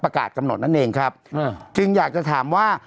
กำหนดนั่นเองครับจึงอยากจะถามว่า